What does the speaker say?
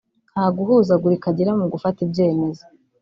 nta guhuzagurika agira mu gufata ibyemezo